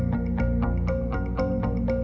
พวกมันกำลังพูดได้